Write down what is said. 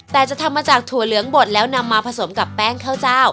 แต่จะทำมาจากถั่วเหลืองบดแล้วนำมาผสมกับแป้งข้าวเจ้า